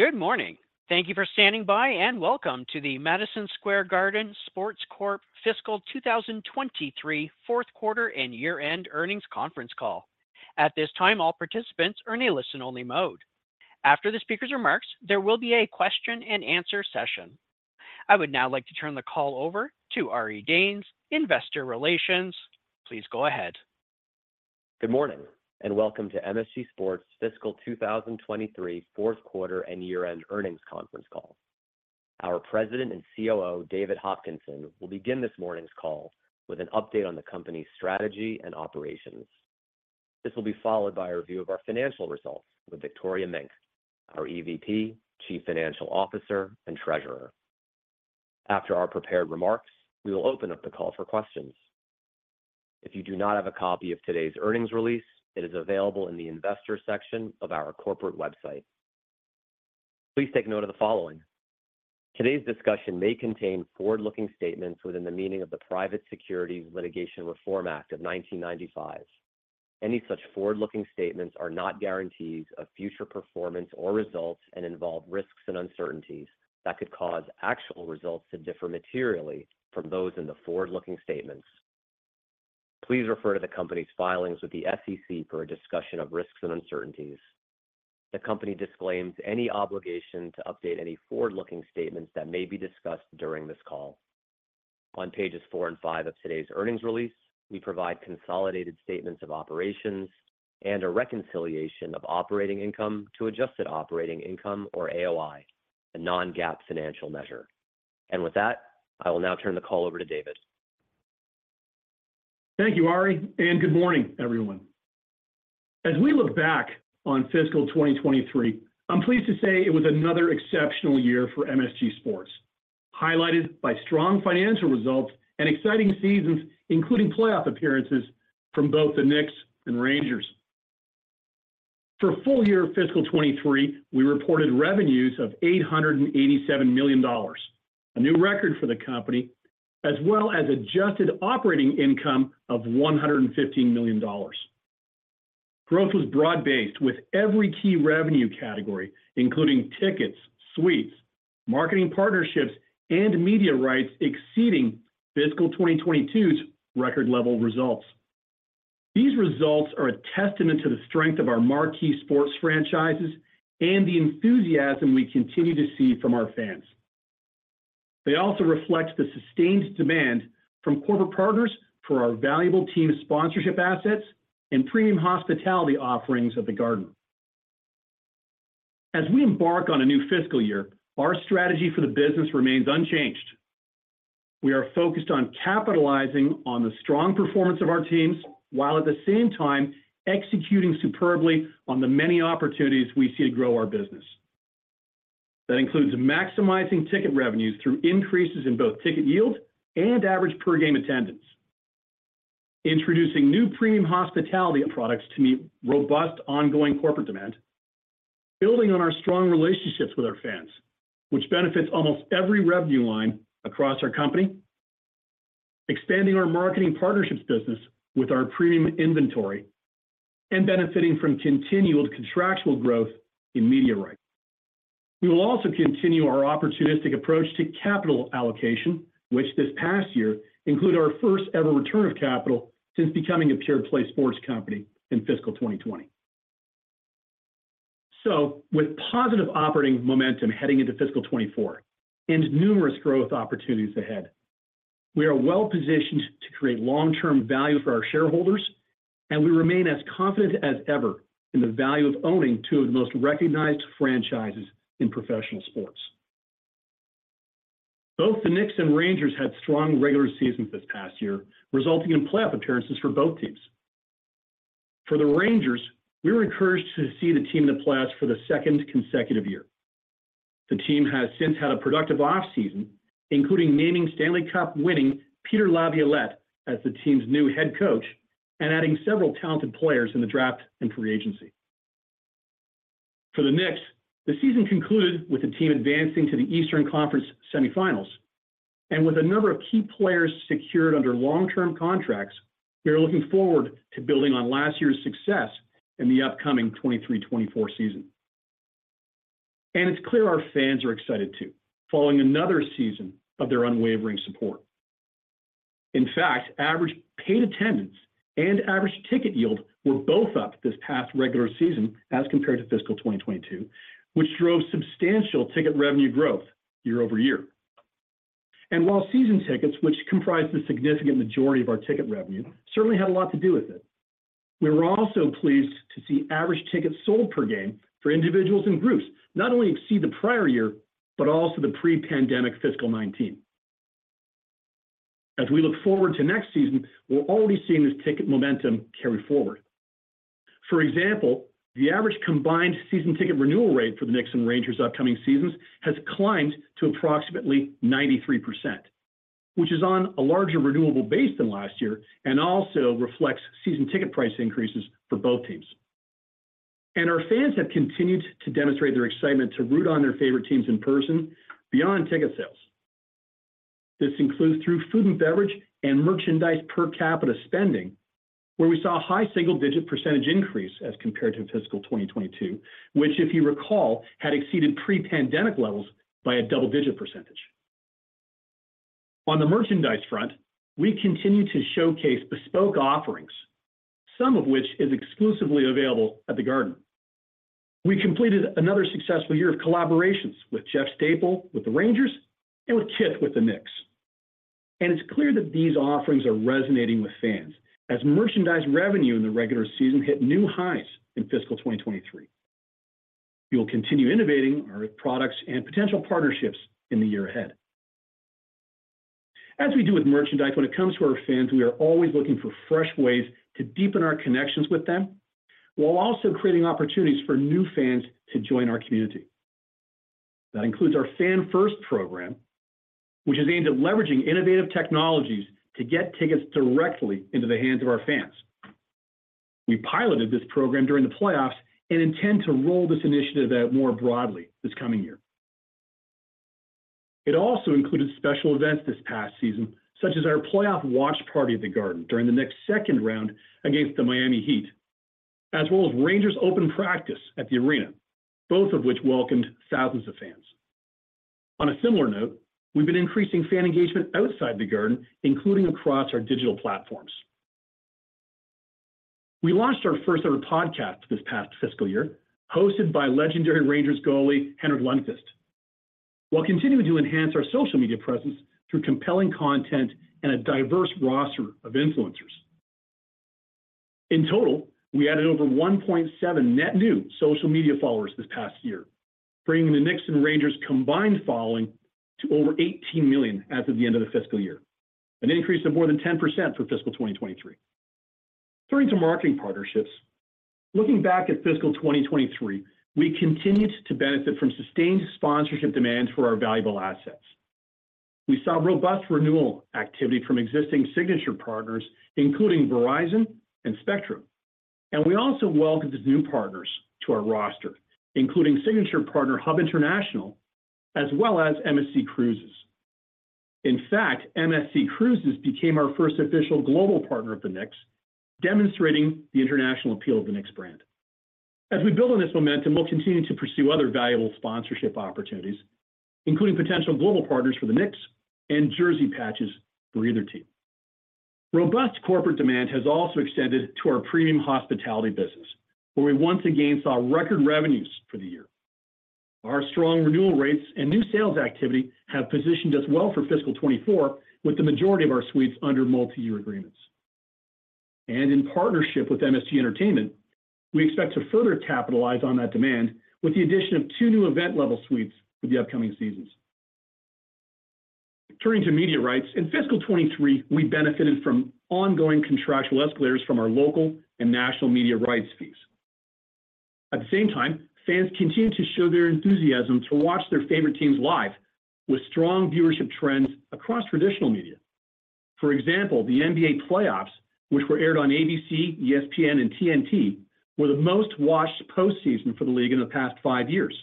Good morning! Thank you for standing by, welcome to the Madison Square Garden Sports Corp Fiscal 2023 fourth quarter and year-end earnings conference call. At this time, all participants are in a listen-only mode. After the speaker's remarks, there will be a question and answer session. I would now like to turn the call over to Ari Danes, Investor Relations. Please go ahead. Welcome to MSG Sports Fiscal 2023 fourth quarter and year-end earnings conference call. Our President and COO, David Hopkinson, will begin this morning's call with an update on the company's strategy and operations. This will be followed by a review of our financial results with Victoria Mink, our EVP, Chief Financial Officer, and Treasurer. After our prepared remarks, we will open up the call for questions. If you do not have a copy of today's earnings release, it is available in the investor section of our corporate website. Please take note of the following: Today's discussion may contain forward-looking statements within the meaning of the Private Securities Litigation Reform Act of 1995. Any such forward-looking statements are not guarantees of future performance or results involve risks and uncertainties that could cause actual results to differ materially from those in the forward-looking statements. Please refer to the company's filings with the SEC for a discussion of risks and uncertainties. The company disclaims any obligation to update any forward-looking statements that may be discussed during this call. On pages four and five of today's earnings release, we provide consolidated statements of operations and a reconciliation of operating income to adjusted operating income or AOI, a non-GAAP financial measure. With that, I will now turn the call over to David. Thank you, Ari. Good morning, everyone. As we look back on fiscal 2023, I'm pleased to say it was another exceptional year for MSG Sports, highlighted by strong financial results and exciting seasons, including playoff appearances from both the Knicks and Rangers. For full year fiscal 2023, we reported revenues of $887 million, a new record for the company, as well as adjusted operating income of $115 million. Growth was broad-based, with every key revenue category, including tickets, suites, marketing partnerships, and media rights exceeding fiscal 2022's record-level results. These results are a testament to the strength of our marquee sports franchises and the enthusiasm we continue to see from our fans. They also reflect the sustained demand from corporate partners for our valuable team sponsorship assets and premium hospitality offerings at the Garden. As we embark on a new fiscal year, our strategy for the business remains unchanged. We are focused on capitalizing on the strong performance of our teams, while at the same time executing superbly on the many opportunities we see to grow our business. That includes maximizing ticket revenues through increases in both ticket yield and average per-game attendance, introducing new premium hospitality products to meet robust, ongoing corporate demand, building on our strong relationships with our fans, which benefits almost every revenue line across our company, expanding our marketing partnerships business with our premium inventory, and benefiting from continual contractual growth in media rights. We will also continue our opportunistic approach to capital allocation, which this past year include our first-ever return of capital since becoming a pure play sports company in fiscal 2020. With positive operating momentum heading into fiscal 2024 and numerous growth opportunities ahead, we are well positioned to create long-term value for our shareholders, and we remain as confident as ever in the value of owning two of the most recognized franchises in professional sports. Both the Knicks and Rangers had strong regular seasons this past year, resulting in playoff appearances for both teams. For the Rangers, we were encouraged to see the team in the playoffs for the second consecutive year. The team has since had a productive off-season, including naming Stanley Cup winning Peter Laviolette as the team's new head coach and adding several talented players in the draft and free agency. For the Knicks, the season concluded with the team advancing to the Eastern Conference Semifinals and with a number of key players secured under long-term contracts, we are looking forward to building on last year's success in the upcoming 2023-2024 season. It's clear our fans are excited, too, following another season of their unwavering support. In fact, average paid attendance and average ticket yield were both up this past regular season as compared to fiscal 2022, which drove substantial ticket revenue growth year-over-year. While season tickets, which comprise the significant majority of our ticket revenue, certainly had a lot to do with it, we were also pleased to see average tickets sold per game for individuals and groups not only exceed the prior year, but also the pre-pandemic fiscal 2019. As we look forward to Knicks season, we're already seeing this ticket momentum carry forward. For example, the average combined season ticket renewal rate for the Knicks and Rangers' upcoming seasons has climbed to approximately 93%, which is on a larger renewable base than last year and also reflects season ticket price increases for both teams. Our fans have continued to demonstrate their excitement to root on their favorite teams in person beyond ticket sales. This includes through food and beverage and merchandise per capita spending, where we saw a high single-digit % increase as compared to fiscal 2022, which, if you recall, had exceeded pre-pandemic levels by a double-digit %. On the merchandise front, we continue to showcase bespoke offerings, some of which is exclusively available at The Garden. We completed another successful year of collaborations with Jeff Staple, with the Rangers, and with Kith, with the Knicks. It's clear that these offerings are resonating with fans, as merchandise revenue in the regular season hit new highs in fiscal 2023. We will continue innovating our products and potential partnerships in the year ahead. As we do with merchandise, when it comes to our fans, we are always looking for fresh ways to deepen our connections with them, while also creating opportunities for new fans to join our community. That includes our Fan First program, which is aimed at leveraging innovative technologies to get tickets directly into the hands of our fans. We piloted this program during the playoffs and intend to roll this initiative out more broadly this coming year. It also included special events this past season, such as our playoff watch party at The Garden during the Knicks second round against the Miami Heat, as well as Rangers open practice at the arena, both of which welcomed thousands of fans. On a similar note, we've been increasing fan engagement outside The Garden, including across our digital platforms. We launched our first-ever podcast this past fiscal year, hosted by legendary Rangers goalie, Henrik Lundqvist, while continuing to enhance our social media presence through compelling content and a diverse roster of influencers. In total, we added over 1.7 million net new social media followers this past year, bringing the Knicks and Rangers combined following to over 18 million as of the end of the fiscal year, an increase of more than 10% for fiscal 2023. Turning to marketing partnerships, looking back at fiscal 2023, we continued to benefit from sustained sponsorship demands for our valuable assets. We saw robust renewal activity from existing signature partners, including Verizon and Spectrum, we also welcomed new partners to our roster, including signature partner, Hub International, as well as MSC Cruises. In fact, MSC Cruises became our first official global partner of the Knicks, demonstrating the international appeal of the Knicks brand. As we build on this momentum, we'll continue to pursue other valuable sponsorship opportunities, including potential global partners for the Knicks and jersey patches for either team. Robust corporate demand has also extended to our premium hospitality business, where we once again saw record revenues for the year. Our strong renewal rates and new sales activity have positioned us well for fiscal 2024, with the majority of our suites under multi-year agreements. In partnership with MSG Entertainment, we expect to further capitalize on that demand with the addition of two new event-level suites for the upcoming seasons. Turning to media rights, in fiscal 2023, we benefited from ongoing contractual escalators from our local and national media rights fees. At the same time, fans continued to show their enthusiasm to watch their favorite teams live, with strong viewership trends across traditional media. For example, the NBA playoffs, which were aired on ABC, ESPN, and TNT, were the most-watched postseason for the league in the past five years.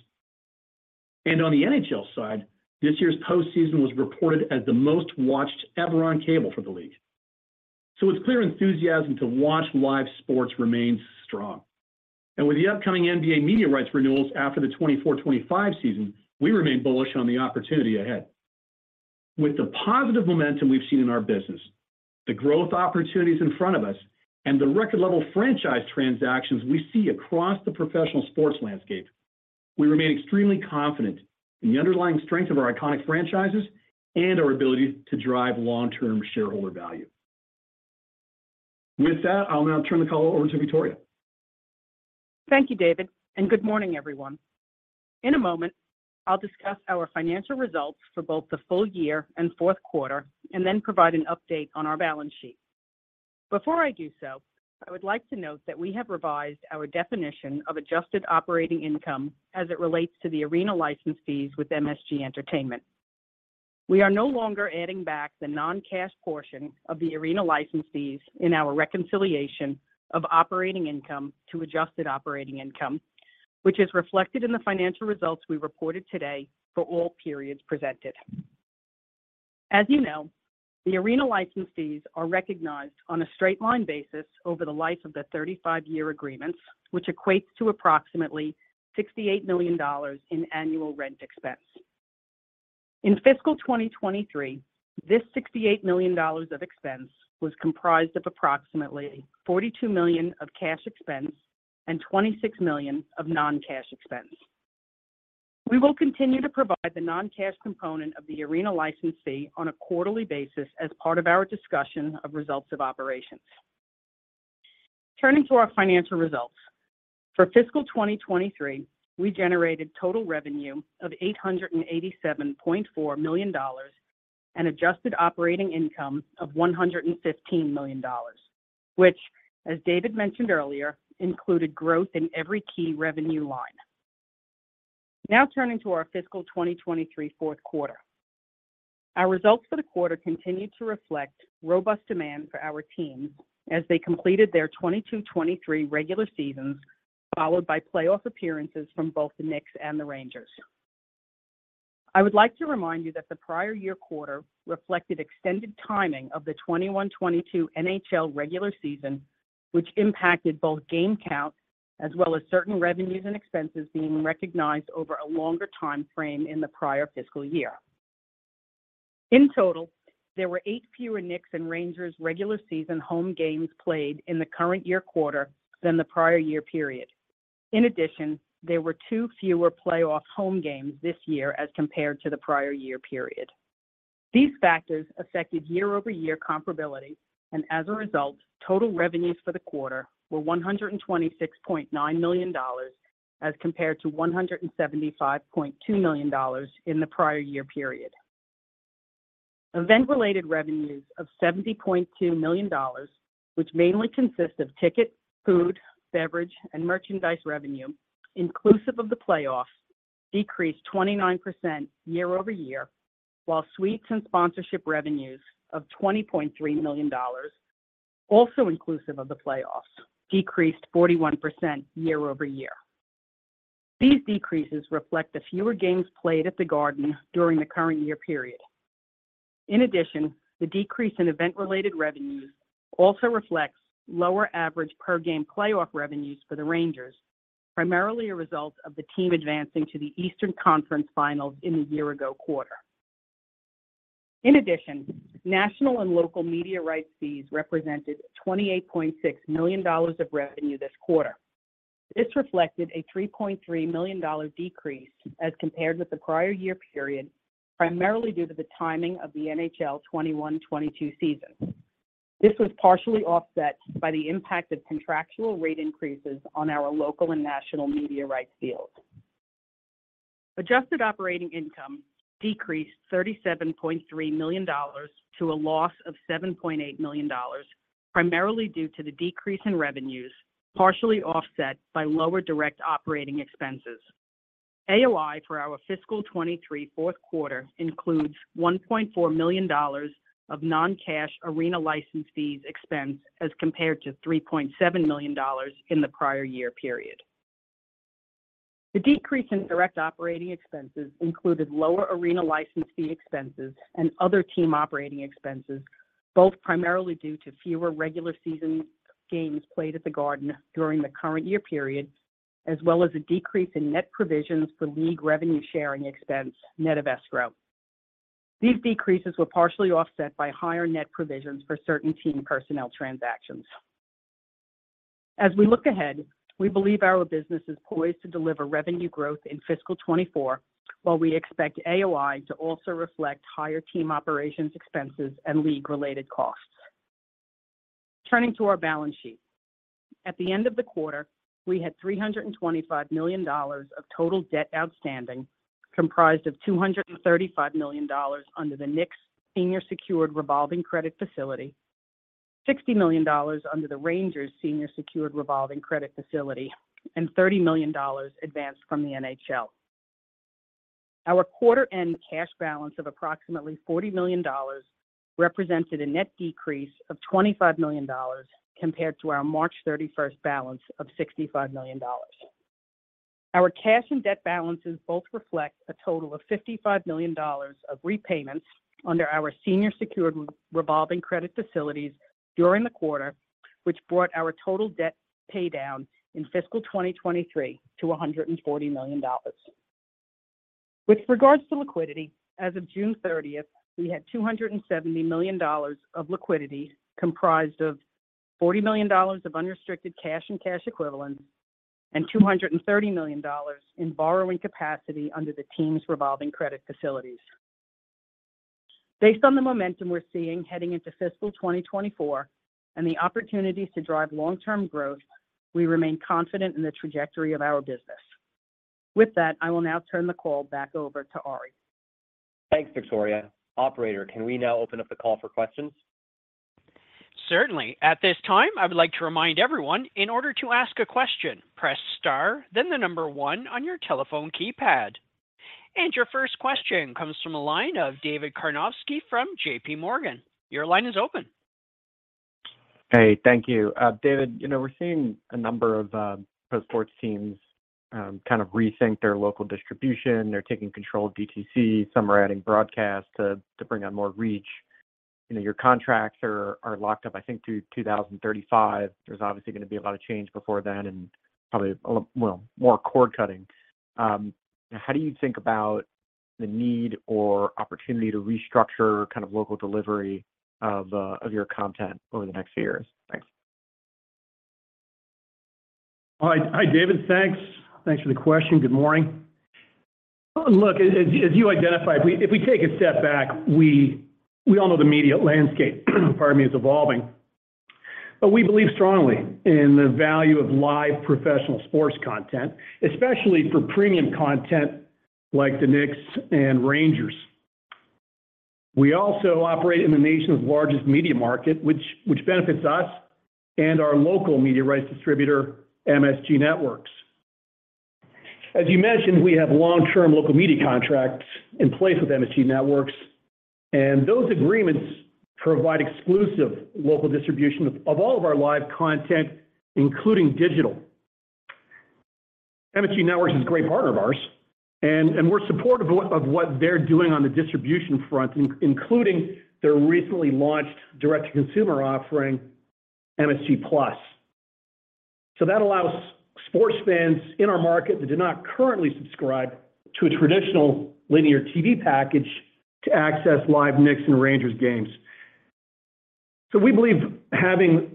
On the NHL side, this year's postseason was reported as the most-watched ever on cable for the league. It's clear enthusiasm to watch live sports remains strong. With the upcoming NBA media rights renewals after the 2024-25 season, we remain bullish on the opportunity ahead. With the positive momentum we've seen in our business, the growth opportunities in front of us, and the record-level franchise transactions we see across the professional sports landscape, we remain extremely confident in the underlying strength of our iconic franchises and our ability to drive long-term shareholder value. With that, I'll now turn the call over to Victoria. Thank you, David, and good morning, everyone. In a moment, I'll discuss our financial results for both the full year and fourth quarter, and then provide an update on our balance sheet. Before I do so, I would like to note that we have revised our definition of adjusted operating income as it relates to the arena license fees with MSG Entertainment. We are no longer adding back the non-cash portion of the arena license fees in our reconciliation of operating income to adjusted operating income, which is reflected in the financial results we reported today for all periods presented. As you know, the arena license fees are recognized on a straight line basis over the life of the 35-year agreements, which equates to approximately $68 million in annual rent expense. In fiscal 2023, this $68 million of expense was comprised of approximately $42 million of cash expense and $26 million of non-cash expense. We will continue to provide the non-cash component of the arena license fee on a quarterly basis as part of our discussion of results of operations. Turning to our financial results. For fiscal 2023, we generated total revenue of $887.4 million and adjusted operating income of $115 million, which, as David mentioned earlier, included growth in every key revenue line. Now turning to our fiscal 2023 fourth quarter. Our results for the quarter continued to reflect robust demand for our teams as they completed their 2022-2023 regular seasons, followed by playoff appearances from both the Knicks and the Rangers. I would like to remind you that the prior year quarter reflected extended timing of the 2021, 2022 NHL regular season, which impacted both game counts as well as certain revenues and expenses being recognized over a longer timeframe in the prior fiscal year. In total, there were eight fewer Knicks and Rangers regular season home games played in the current year quarter than the prior year period. In addition, there were two fewer playoff home games this year as compared to the prior year period. These factors affected year-over-year comparability, and as a result, total revenues for the quarter were $126.9 million, as compared to $175.2 million in the prior year period. Event-related revenues of $70.2 million, which mainly consist of ticket, food, beverage, and merchandise revenue, inclusive of the playoffs, decreased 29% year-over-year, while suites and sponsorship revenues of $20.3 million, also inclusive of the playoffs, decreased 41% year-over-year. These decreases reflect the fewer games played at The Garden during the current year period. In addition, the decrease in event-related revenues also reflects lower average per-game playoff revenues for the Rangers, primarily a result of the team advancing to the Eastern Conference Finals in the year-ago quarter. In addition, national and local media rights fees represented $28.6 million of revenue this quarter. This reflected a $3.3 million decrease as compared with the prior year period, primarily due to the timing of the NHL 2021-2022 season. This was partially offset by the impact of contractual rate increases on our local and national media rights deals. Adjusted operating income decreased $37.3 million to a loss of $7.8 million, primarily due to the decrease in revenues, partially offset by lower direct operating expenses. AOI for our fiscal 2023 fourth quarter includes $1.4 million of non-cash arena license fees expense, as compared to $3.7 million in the prior year period. The decrease in direct operating expenses included lower arena license fee expenses and other team operating expenses, both primarily due to fewer regular season games played at The Garden during the current year period, as well as a decrease in net provisions for league revenue sharing expense, net of escrow. These decreases were partially offset by higher net provisions for certain team personnel transactions. As we look ahead, we believe our business is poised to deliver revenue growth in fiscal 2024, while we expect AOI to also reflect higher team operations expenses and league-related costs. Turning to our balance sheet. At the end of the quarter, we had $325 million of total debt outstanding, comprised of $235 million under the Knicks senior secured revolving credit facility, $60 million under the Rangers senior secured revolving credit facility, and $30 million advanced from the NHL. Our quarter-end cash balance of approximately $40 million represented a net decrease of $25 million compared to our March 31st balance of $65 million. Our cash and debt balances both reflect a total of $55 million of repayments under our senior secured revolving credit facilities during the quarter, which brought our total debt paydown in fiscal 2023 to $140 million. With regards to liquidity, as of June 30th, we had $270 million of liquidity, comprised of $40 million of unrestricted cash and cash equivalents, and $230 million in borrowing capacity under the team's revolving credit facilities. Based on the momentum we're seeing heading into fiscal 2024 and the opportunities to drive long-term growth, we remain confident in the trajectory of our business. With that, I will now turn the call back over to Ari. Thanks, Victoria. Operator, can we now open up the call for questions? Certainly. At this time, I would like to remind everyone, in order to ask a question, press star, then the number one on your telephone keypad. Your first question comes from the line of David Karnovsky from JPMorgan. Your line is open. Hey, thank you. David, you know, we're seeing a number of pro sports teams kind of rethink their local distribution. They're taking control of DTC. Some are adding broadcast to, to bring on more reach. You know, your contracts are, are locked up, I think, through 2035. There's obviously going to be a lot of change before then and probably a lot, well, more cord-cutting. How do you think about the need or opportunity to restructure kind of local delivery of your content over the next few years? Thanks. Hi. Hi, David. Thanks. Thanks for the question. Good morning. Look, as you identified, if we take a step back, we all know the media landscape, pardon me, is evolving. We believe strongly in the value of live professional sports content, especially for premium content like the Knicks and Rangers. We also operate in the nation's largest media market, which benefits us and our local media rights distributor, MSG Networks. As you mentioned, we have long-term local media contracts in place with MSG Networks. Those agreements provide exclusive local distribution of all of our live content, including digital. MSG Networks is a great partner of ours, and we're supportive of what they're doing on the distribution front, including their recently launched direct-to-consumer offering, MSG+. That allows sports fans in our market that do not currently subscribe to a traditional linear TV package to access live Knicks and Rangers games. We believe having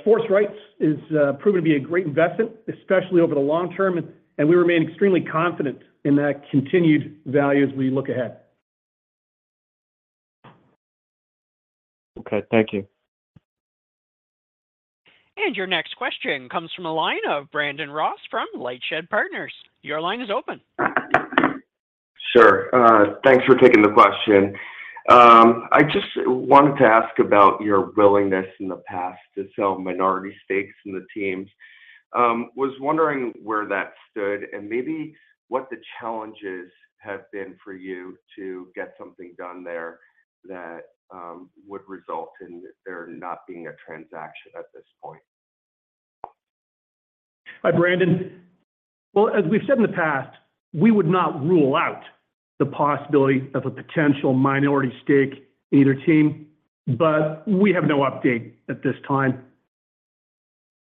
sports rights is proven to be a great investment, especially over the long term, and we remain extremely confident in that continued value as we look ahead. Okay, thank you. Your next question comes from the line of Brandon Ross from LightShed Partners. Your line is open. Sure. Thanks for taking the question. I just wanted to ask about your willingness in the past to sell minority stakes in the teams. Was wondering where that stood and maybe what the challenges have been for you to get something done there that, would result in there not being a transaction at this point? Hi, Brandon. Well, as we've said in the past, we would not rule out the possibility of a potential minority stake in either team, we have no update at this time.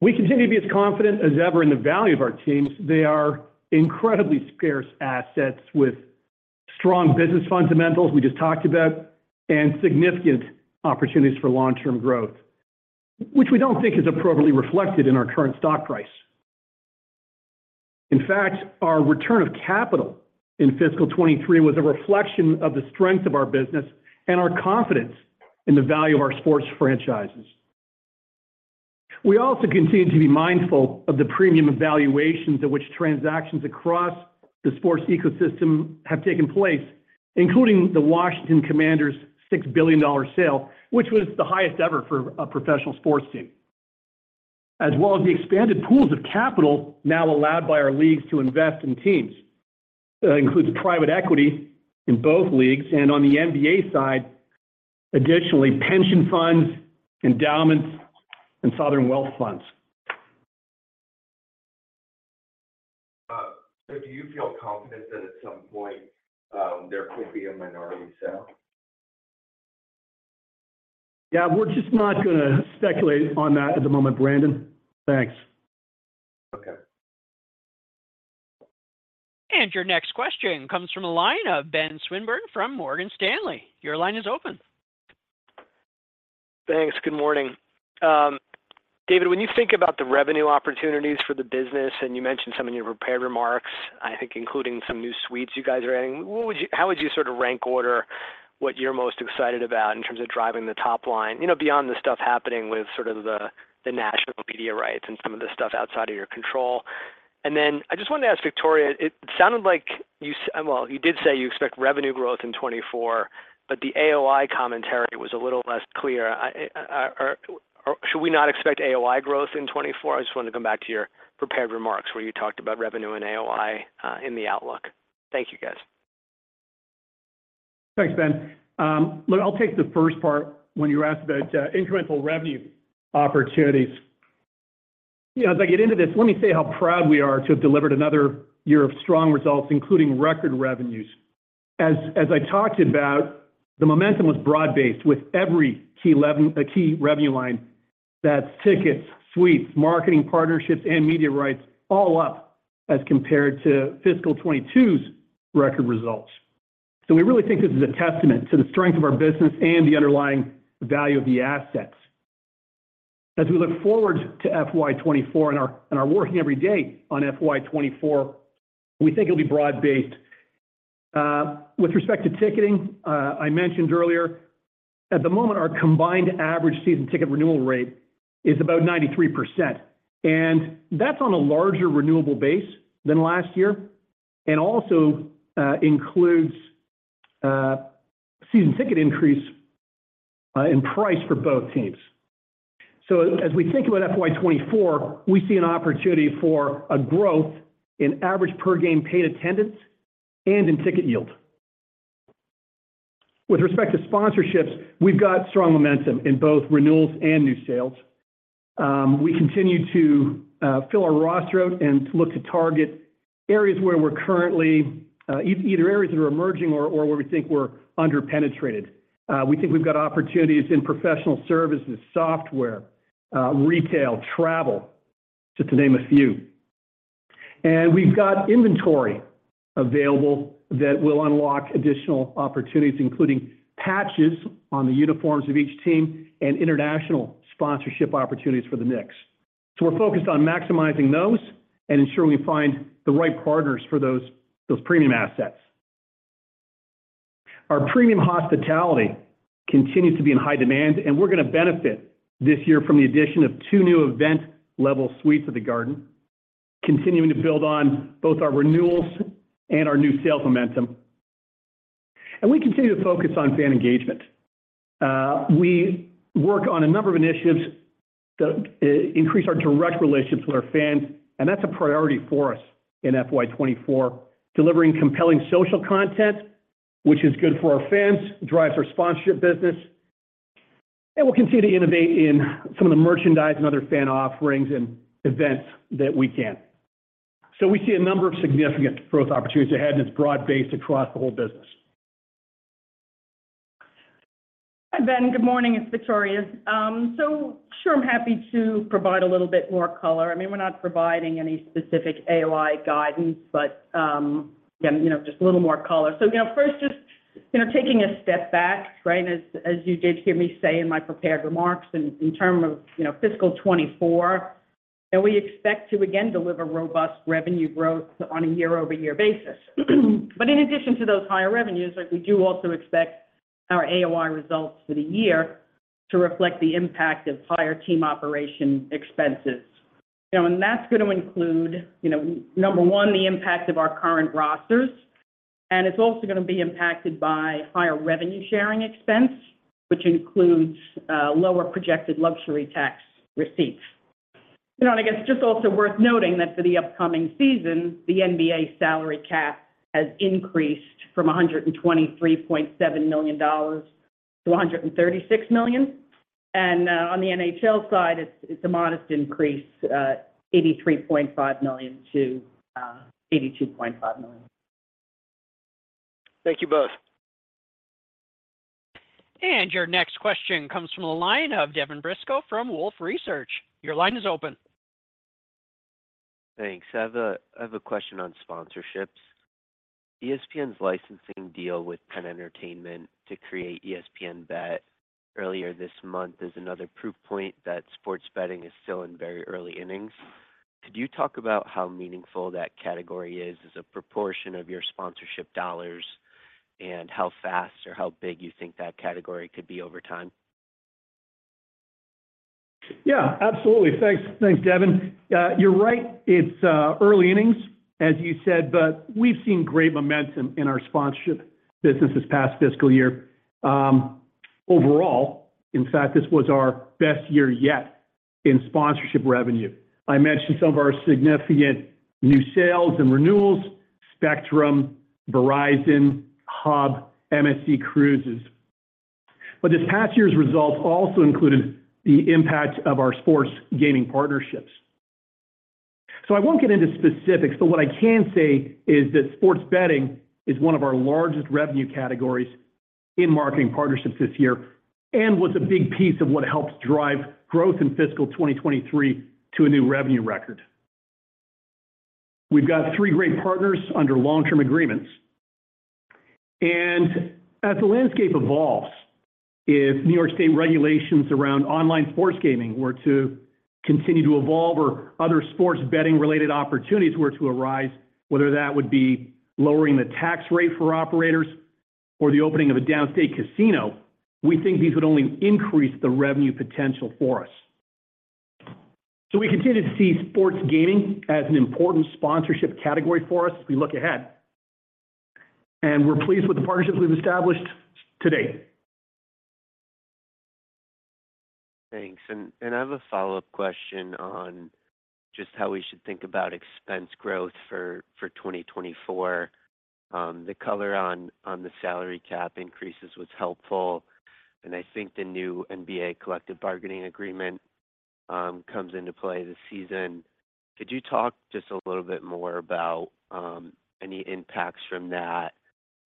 We continue to be as confident as ever in the value of our teams. They are incredibly scarce assets with strong business fundamentals we just talked about, significant opportunities for long-term growth, which we don't think is appropriately reflected in our current stock price. In fact, our return of capital in fiscal '23 was a reflection of the strength of our business and our confidence in the value of our sports franchises. We also continue to be mindful of the premium valuations at which transactions across the sports ecosystem have taken place, including the Washington Commanders' $6 billion sale, which was the highest ever for a professional sports team. As well as the expanded pools of capital now allowed by our leagues to invest in teams. Includes private equity in both leagues, and on the NBA side, additionally, pension funds, endowments, and sovereign wealth funds. Do you feel confident that at some point, there could be a minority sale? Yeah, we're just not gonna speculate on that at the moment, Brandon. Thanks. Okay. Your next question comes from a line of Benjamin Swinburne from Morgan Stanley. Your line is open. Thanks. Good morning. David, when you think about the revenue opportunities for the business, and you mentioned some in your prepared remarks, I think, including some new suites you guys are adding, what would you-- how would you sort of rank order what you're most excited about in terms of driving the top line? You know, beyond the stuff happening with sort of the, the national media rights and some of the stuff outside of your control. Then I just wanted to ask Victoria, it sounded like you said... Well, you did say you expect revenue growth in 2024, but the AOI commentary was a little less clear. I, should we not expect AOI growth in 2024? I just wanted to come back to your prepared remarks, where you talked about revenue and AOI, in the outlook. Thank you, guys. Thanks, Ben. Look, I'll take the first part when you asked about incremental revenue opportunities. You know, as I get into this, let me say how proud we are to have delivered another year of strong results, including record revenues. As, as I talked about, the momentum was broad-based with every key revenue line. That's tickets, suites, marketing partnerships, and media rights, all up as compared to fiscal 2022's record results. We really think this is a testament to the strength of our business and the underlying value of the assets. As we look forward to FY 2024 and are, and are working every day on FY 2024, we think it'll be broad-based. With respect to ticketing, I mentioned earlier, at the moment, our combined average season ticket renewal rate is about 93%, and that's on a larger renewable base than last year, and also, includes season ticket increase in price for both teams. As we think about FY 2024, we see an opportunity for a growth in average per-game paid attendance and in ticket yield. With respect to sponsorships, we've got strong momentum in both renewals and new sales. We continue to fill our roster and to look to target areas where we're currently either areas that are emerging or where we think we're underpenetrated. We think we've got opportunities in professional services, software, retail, travel, just to name a few. We've got inventory available that will unlock additional opportunities, including patches on the uniforms of each team and international sponsorship opportunities for the Knicks. We're focused on maximizing those and ensuring we find the right partners for those, those premium assets. Our premium hospitality continues to be in high demand, and we're going to benefit this year from the addition of two new event-level suites at The Garden, continuing to build on both our renewals and our new sales momentum. We continue to focus on fan engagement. We work on a number of initiatives that increase our direct relationships with our fans, and that's a priority for us in FY 2024. Delivering compelling social content, which is good for our fans, drives our sponsorship business, and we'll continue to innovate in some of the merchandise and other fan offerings and events that we can. We see a number of significant growth opportunities ahead, and it's broad-based across the whole business. Hi, Ben. Good morning, it's Victoria. So sure, I'm happy to provide a little bit more color. I mean, we're not providing any specific AOI guidance, but, you know, just a little more color. You know, first, just, you know, taking a step back, right? As, as you did hear me say in my prepared remarks, in, in terms of, you know, fiscal 2024, that we expect to again deliver robust revenue growth on a year-over-year basis. In addition to those higher revenues, we do also expect our AOI results for the year to reflect the impact of higher team operation expenses. You know, that's going to include, you know, number 1, the impact of our current rosters, and it's also going to be impacted by higher revenue sharing expense, which includes lower projected luxury tax receipts. You know, and I guess just also worth noting that for the upcoming season, the NBA salary cap has increased from $123.7 million to $136 million. On the NHL side, it's, it's a modest increase, $83.5 million to $82.5 million. Thank you both. Your next question comes from the line of Devin Brisco from Wolfe Research. Your line is open. Thanks. I have a, I have a question on sponsorships. ESPN's licensing deal with Penn Entertainment to create ESPN Bet earlier this month is another proof point that sports betting is still in very early innings. Could you talk about how meaningful that category is as a proportion of your sponsorship dollars? How fast or how big you think that category could be over time? Yeah, absolutely. Thanks. Thanks, Devin. You're right, it's early innings, as you said, we've seen great momentum in our sponsorship business this past fiscal year. Overall, in fact, this was our best year yet in sponsorship revenue. I mentioned some of our significant new sales and renewals, Spectrum, Verizon, Hub, MSC Cruises. This past year's results also included the impact of our sports gaming partnerships. I won't get into specifics, but what I can say is that sports betting is one of our largest revenue categories in marketing partnerships this year and was a big piece of what helped drive growth in fiscal 2023 to a new revenue record. We've got 3 great partners under long-term agreements. As the landscape evolves, if New York State regulations around online sports gaming were to continue to evolve or other sports betting-related opportunities were to arise, whether that would be lowering the tax rate for operators or the opening of a downstate casino, we think these would only increase the revenue potential for us. We continue to see sports gaming as an important sponsorship category for us as we look ahead, and we're pleased with the partnerships we've established to date. Thanks. And I have a follow-up question on just how we should think about expense growth for 2024. The color on the salary cap increases was helpful, and I think the new NBA collective bargaining agreement comes into play this season. Could you talk just a little bit more about any impacts from that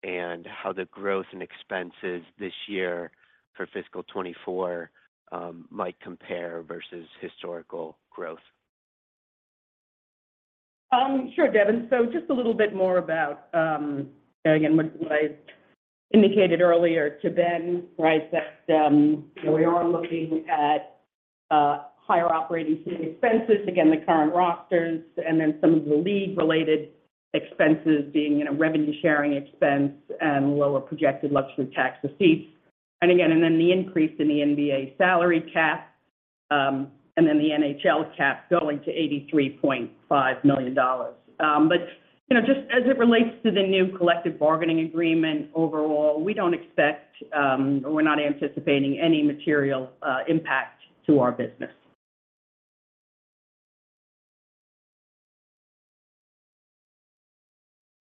and how the growth in expenses this year for fiscal 2024 might compare versus historical growth? Sure, Devin. Just a little bit more about, again, what I indicated earlier to Ben, right? That we are looking at higher operating team expenses, again, the current rosters, and then some of the league-related expenses being, you know, revenue sharing expense and lower projected luxury tax receipts. Again, and then the increase in the NBA salary cap, and then the NHL cap going to $83.5 million. You know, just as it relates to the new collective bargaining agreement, overall, we don't expect, we're not anticipating any material impact to our business.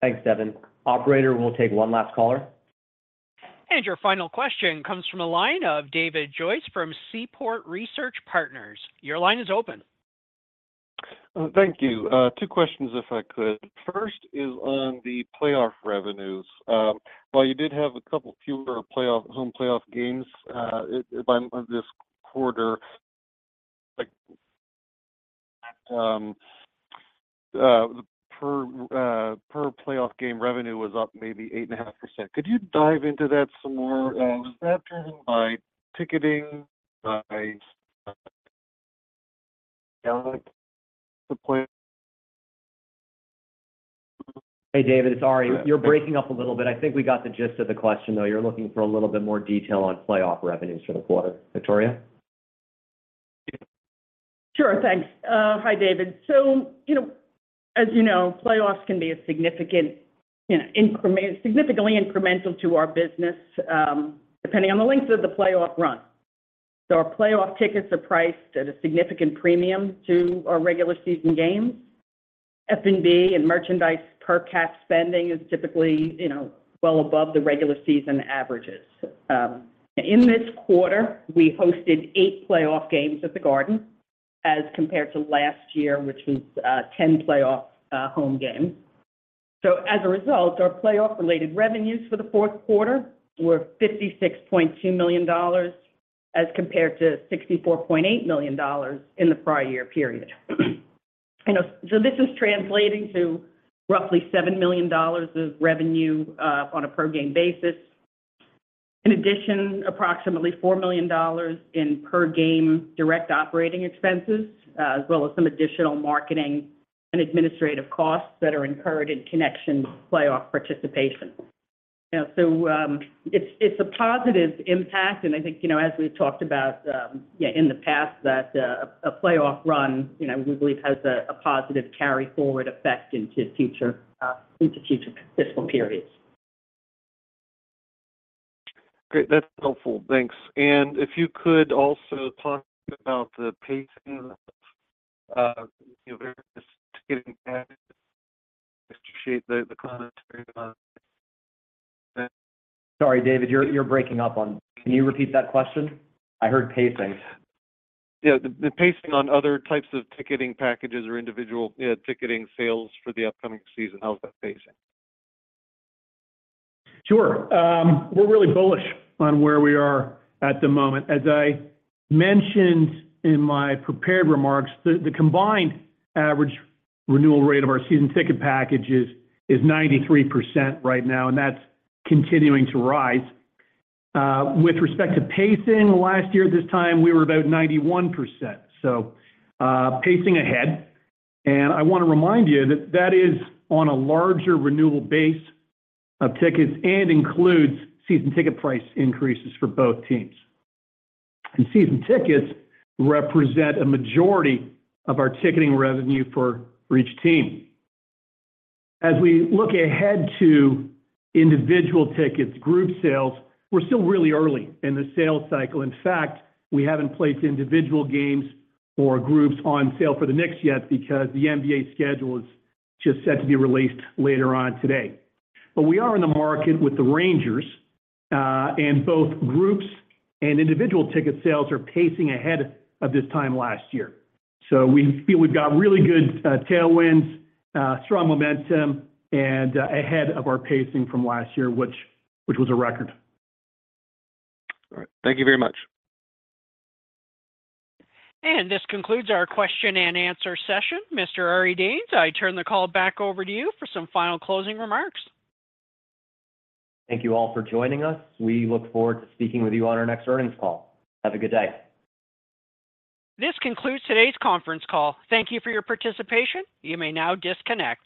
Thanks, Devin. Operator, we'll take one last caller. Your final question comes from a line of David Joyce from Seaport Research Partners. Your line is open. Thank you. 2 questions, if I could. First is on the playoff revenues. While you did have a couple fewer playoff, home playoff games, by this quarter, per playoff game revenue was up maybe 8.5%. Could you dive into that some more? Was that driven by ticketing, by, Hey, David, it's Ari. You're breaking up a little bit. I think we got the gist of the question, though. You're looking for a little bit more detail on playoff revenues for the quarter. Victoria? Sure, thanks. Hi, David. You know, as you know, playoffs can be a significant, you know, significantly incremental to our business, depending on the length of the playoff run. Our playoff tickets are priced at a significant premium to our regular season games. F&B and merchandise per cap spending is typically, you know, well above the regular season averages. In this quarter, we hosted eight playoff games at The Garden, as compared to last year, which was 10 playoff home games. As a result, our playoff-related revenues for the fourth quarter were $56.2 million, as compared to $64.8 million in the prior year period. You know, this is translating to roughly $7 million of revenue on a per game basis. In addition, approximately $4 million in per game direct operating expenses, as well as some additional marketing and administrative costs that are incurred in connection with playoff participation. It's, it's a positive impact, and I think, you know, as we've talked about, yeah, in the past, that a playoff run, you know, we believe has a positive carry forward effect into future, into future fiscal periods. Great. That's helpful. Thanks. If you could also talk about the pacing of, you know, various ticketing packages, just to shape the, the commentary on that. Sorry, David, you're, you're breaking up on me. Can you repeat that question? I heard pacing. Yeah, the pacing on other types of ticketing packages or individual, yeah, ticketing sales for the upcoming season. How's that pacing? Sure. We're really bullish on where we are at the moment. As I mentioned in my prepared remarks, the, the combined average renewal rate of our season ticket packages is 93% right now, and that's continuing to rise. With respect to pacing, last year at this time, we were about 91%, so pacing ahead. I want to remind you that that is on a larger renewable base of tickets and includes season ticket price increases for both teams. Season tickets represent a majority of our ticketing revenue for, for each team. As we look ahead to individual tickets, group sales, we're still really early in the sales cycle. In fact, we haven't placed individual games or groups on sale for the Knicks yet because the NBA schedule is just set to be released later on today. We are in the market with the Rangers, and both groups and individual ticket sales are pacing ahead of this time last year. We feel we've got really good, tailwinds, strong momentum, and, ahead of our pacing from last year, which, which was a record. All right. Thank you very much. This concludes our question and answer session. Mr. Ari Danes, I turn the call back over to you for some final closing remarks. Thank you all for joining us. We look forward to speaking with you on our next earnings call. Have a good day. This concludes today's conference call. Thank Thank you for your participation. You may now disconnect.